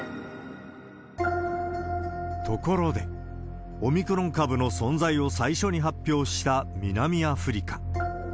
ところで、オミクロン株の存在を最初に発表した南アフリカ。